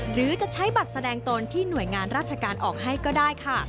หรือจะใช้บัตรแสดงตนที่หน่วยงานราชการออกให้ก็ได้ค่ะ